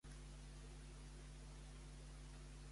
Em fas un tuit que digui "no suporto a l'Eva"?